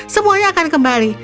semuanya akan kembali